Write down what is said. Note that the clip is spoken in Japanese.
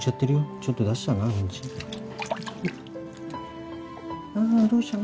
ちょっと出したな？